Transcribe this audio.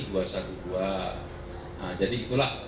nah jadi itulah